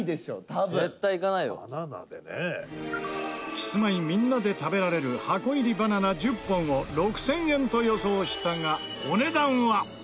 キスマイみんなで食べられる箱入りバナナ１０本を６０００円と予想したがお値段は？